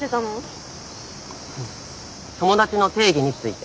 友達の定義について。